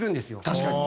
確かに。